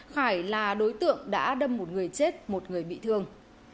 khải là đối tượng đã đâm một người chết một người bị thương